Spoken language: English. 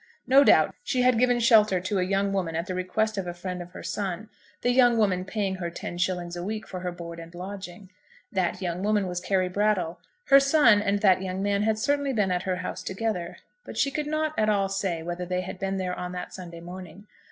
No doubt she had given shelter to a young woman at the request of a friend of her son, the young woman paying her ten shillings a week for her board and lodging. That young woman was Carry Brattle. Her son and that young man had certainly been at her house together; but she could not at all say whether they had been there on that Sunday morning.